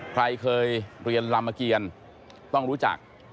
ใครเคยเรียนลำเกียรต้องรู้จัก